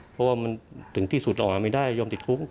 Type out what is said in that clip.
เพราะว่ามันถึงที่สุดออกมาไม่ได้ยอมติดคุก